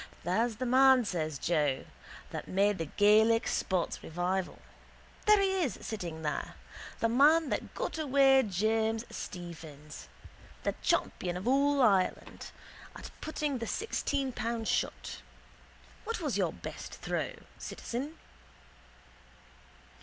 —There's the man, says Joe, that made the Gaelic sports revival. There he is sitting there. The man that got away James Stephens. The champion of all Ireland at putting the sixteen pound shot. What was your best throw, citizen?